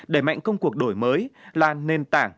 để mạnh công cuộc đổi mới là nền tảng để đảng tăng